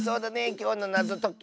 きょうのなぞとき。